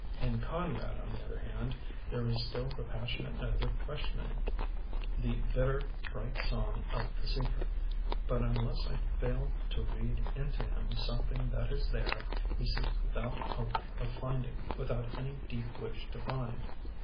In Conrad, on the other hand, there is still the passionate note of question ing, the bitter bright song of the seeker. But unless I fail to read into him something that is there, he seeks without hope of finding, without any deep wish to find.